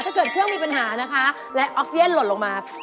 เกิดเครื่องมีปัญหานะคะและออกเซียนหล่นลงมา